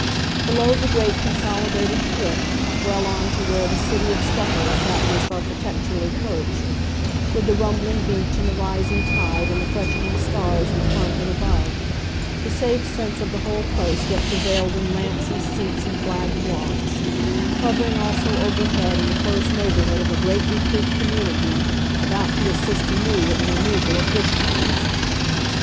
Below the great consolidated cliff, well on to where the city of stucco sat most architecturally perched, with the rumbling beach and the rising tide and the freshening stars in front and above, the safe sense of the whole place yet prevailed in lamps and seats and flagged walks, hovering also overhead in the close neighbourhood of a great replete community about to assist anew at the removal of dish covers.